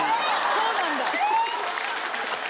そうなんだ。